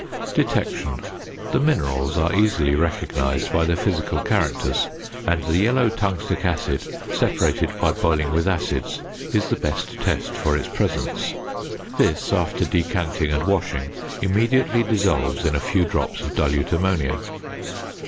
~Detection.~ The minerals are easily recognised by their physical characters, and the yellow tungstic acid separated by boiling with acids is the best test for its presence; this, after decanting and washing, immediately dissolves in a few drops of dilute ammonia.